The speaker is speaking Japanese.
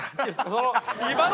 その。